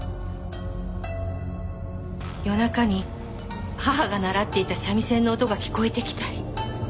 夜中に義母が習っていた三味線の音が聞こえてきたり。